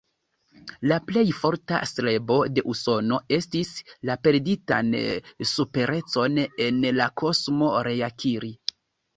La plej forta strebo de Usono estis, la perditan superecon en la kosmo reakiri.